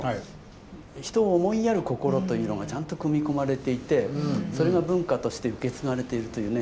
人を思いやる心というのがちゃんと組み込まれていてそれが文化として受け継がれているというね